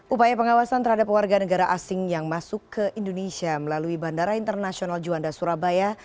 upaya pengawasan terhadap warga negara asing yang masuk ke indonesia melalui bandara internasional juanda surabaya